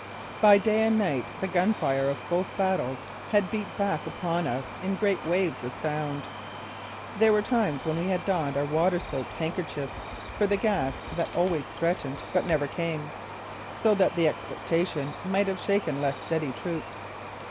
By day and night the gun fire of both battles had beat back upon us in great waves of sound. There were times when we had donned our water soaked handkerchiefs for the gas that always threatened but never came, so that the expectation might have shaken less steady troops.